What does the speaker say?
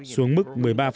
xuống mức một mươi ba